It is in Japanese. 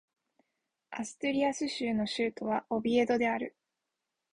アストゥリアス州の州都はオビエドである